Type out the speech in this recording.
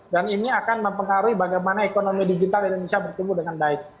dan ini akan mempengaruhi bagaimana ekonomi digital indonesia bertumbuh dengan baik